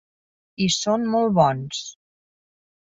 I són molt bons.